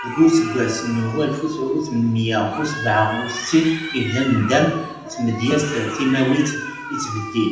Deg useggas n walef u tmenmiya u sebɛa U settin, yebda nḍam n tmedyazt timawit yettbeddil.